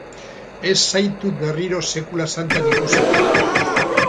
Ez zaitut berriro sekula santan ikusi nahi!